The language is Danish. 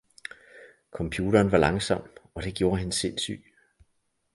Computeren var langsom, og det gjorde hende sindsyg!